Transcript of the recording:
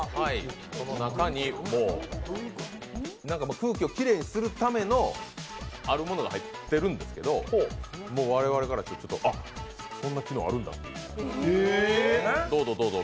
この中に空気をきれいにするための、あるものが入っているんですけど、もう我々からすると、あっ、こんな機能あるんだと。